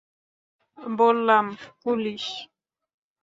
বললাম, পুলিশ!